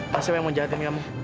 masih apa yang mau jahatin kamu